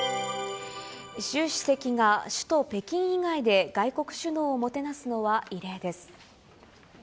習主席が首都北京以外で外国首脳をもてなすのは異例です。